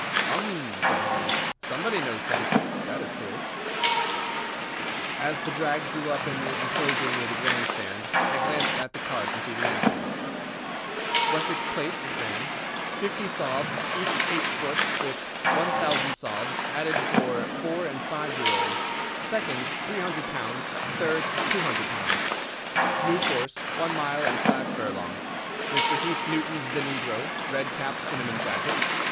"Hum!" said Holmes. "Somebody knows something, that is clear." As the drag drew up in the enclosure near the grand stand I glanced at the card to see the entries. It ran:— Wessex Plate. 50 sovs each h ft with 1000 sovs added for four and five year olds. Second, £300. Third, £200. New course (one mile and five furlongs). 1. Mr. Heath Newton's The Negro (red cap, cinnamon jacket).